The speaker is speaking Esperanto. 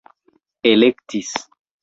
elektis